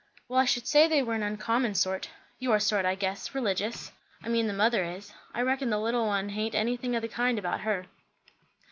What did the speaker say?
"Well, I should say they were an uncommon sort. Your sort, I guess. Religious. I mean the mother is. I reckon the little one haint anything o' that kind about her."